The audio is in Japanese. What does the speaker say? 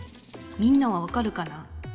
みんなは分かるかな？